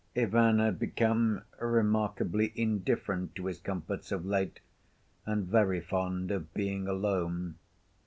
Ivan had become remarkably indifferent to his comforts of late, and very fond of being alone.